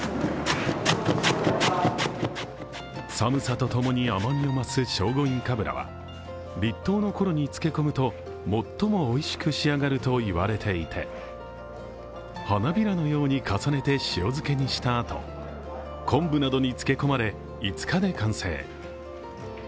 寒さとともに甘みを増す聖護院かぶらは立冬のころに漬け込むと、最もおいしく仕上がると言われていて花びらのように重ねて塩漬けにしたあと、昆布などにつけ込まれ、５日で完成。